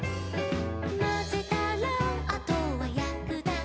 「まぜたらあとはやくだけで」